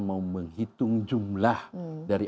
mau menghitung jumlah dari